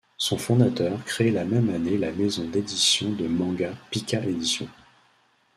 Son fondateur créé la même année la maison d'édition de mangas Pika Édition.